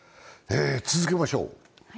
続けましょう。